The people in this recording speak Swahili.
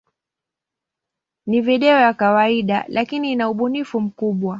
Ni video ya kawaida, lakini ina ubunifu mkubwa.